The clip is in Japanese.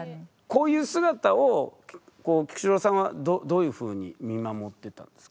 こういう姿を菊紫郎さんはどういうふうに見守ってたんですか？